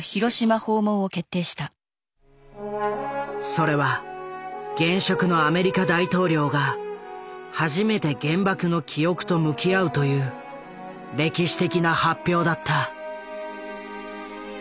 それは現職のアメリカ大統領が初めて原爆の記憶と向き合うという歴史的な発表だった。